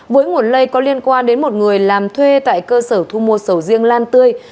với nguồn lây có liên quan đến một người làm thuê tại cơ sở thu mua sầu riêng lan tươi